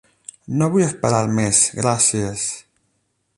No vull esperar més. Gràcies.